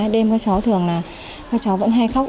đêm các cháu thường là các cháu vẫn hay khóc